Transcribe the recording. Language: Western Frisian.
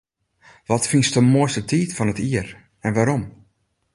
Wat fynst de moaiste tiid fan it jier en wêrom?